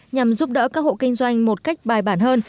nhằm giúp đỡ các hộ kinh doanh một cách bài bản hơn